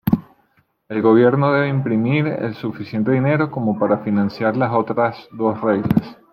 El gobierno debe imprimir el suficiente dinero como para financiar las otras dos reglas.